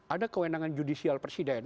ada kewenangan judicial presiden